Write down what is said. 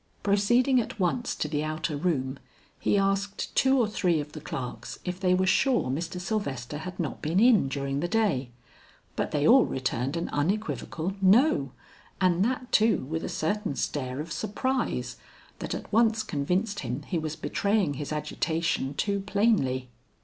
Proceeding at once to the outer room, he asked two or three of the clerks if they were sure Mr. Sylvester had not been in during the day. But they all returned an unequivocal "no," and that too with a certain stare of surprise that at once convinced him he was betraying his agitation too plainly.